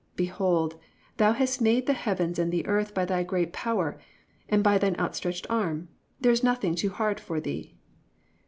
Behold, thou hast made the heavens and the earth by thy great power and by thine outstretched arm: there is nothing too hard for thee."